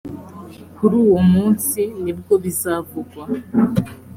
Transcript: kuri uwo munsi nibwo bizavugwa